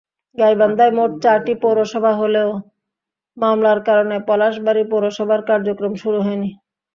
গাইবান্ধায় মোট চারটি পৌরসভা হলেও মামলার কারণে পলাশবাড়ী পৌরসভার কার্যক্রম শুরু হয়নি।